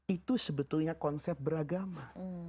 itu sebetulnya konsep beragama